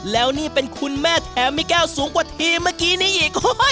แล้วนี่เป็นคุณแม่แถมมีแก้วสูงกว่าทีมเมื่อกี้นี้อีก